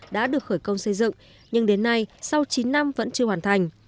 đã được khởi công xây dựng nhưng đến nay sau chín năm vẫn chưa hoàn thành